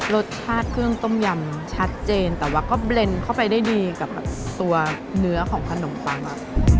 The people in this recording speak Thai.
รสชาติเครื่องต้มยำชัดเจนแต่ว่าก็เบลนด์เข้าไปได้ดีกับตัวเนื้อของขนมปัง